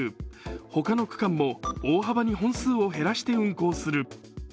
他の区間も大幅に本数を減らして運行する。